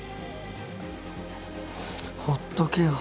放っとけよ。